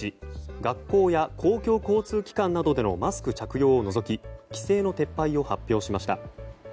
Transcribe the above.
学校や公共交通機関などでのマスク着用を除き規制の撤廃を発表しました。